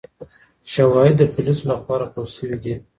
شواهد د پولیسو لخوا راټول سوي دي.